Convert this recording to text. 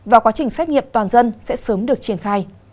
và quá trình xét nghiệm toàn dân sẽ sớm được triển khai